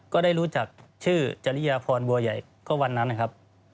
ก็ได้รู้จักชื่อจริยพรบัวใหญ่ก็วันนั้นนะครับ